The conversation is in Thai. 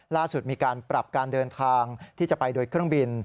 ล่าสุดมีการปรับการเดินทางที่จะไปโดยเครื่องบิน